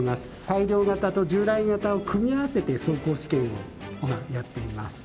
改良型と従来型を組み合わせて走行試験を今やっています。